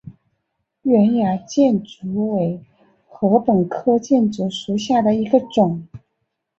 圆芽箭竹为禾本科箭竹属下的一个种。